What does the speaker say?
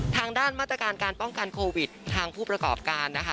ทางด้านมาตรการการป้องกันโควิดทางผู้ประกอบการนะคะ